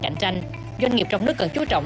cạnh tranh doanh nghiệp trong nước cần chú trọng